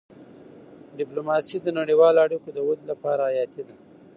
ډيپلوماسي د نړیوالو اړیکو د ودي لپاره حیاتي ده.